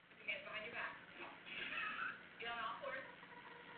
V nižších soutěžích nastupoval za Slovan Levice.